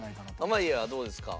濱家はどうですか？